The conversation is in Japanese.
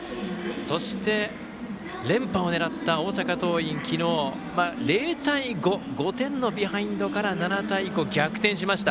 そして、連覇を狙った大阪桐蔭昨日、０対５５点のビハインドから７対５、逆転しました。